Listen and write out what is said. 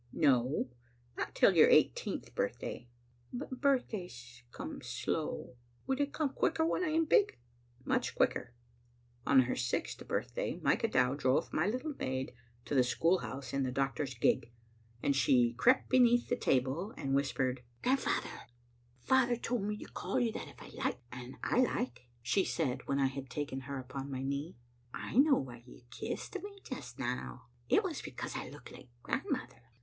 "No, not till your eighteenth birthday." "But birthdays comes so slow. Will they come quicker when I am big?" " Much quicker." On her sixth birthday Micah Dow drove my little maid to the school house in the doctor's gig, and she crept beneath the table and whispered — Digitized by VjOOQ IC 874 JSbc Xtttle Ainf0tcr. "Grandfather!" '' Father told me to call you that if I liked, and I like/' she said when I had taken her upon my knee. " I know why you kissed me just now. It was becamse I looked like grandmother.